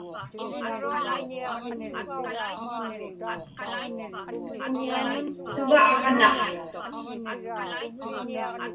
Suva aġnaq?